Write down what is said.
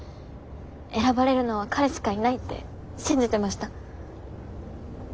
選ばれるのは彼しかいないって信じてました。